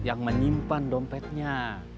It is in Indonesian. yang menyimpan dompetnya